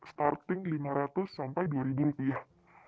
starting lima ratus sampai dua ribu rupiah